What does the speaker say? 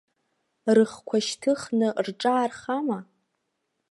Рыхқәа шьҭыхны рҿаархама?